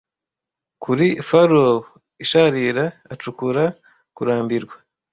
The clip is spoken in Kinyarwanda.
kuri furrow isharira acukura kurambirwa